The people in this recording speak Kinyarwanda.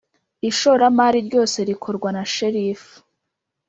Ishoramari ryose rikorwa na sherifu